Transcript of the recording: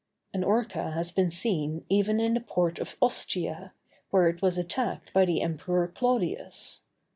_] An orca has been seen even in the port of Ostia, where it was attacked by the Emperor Claudius.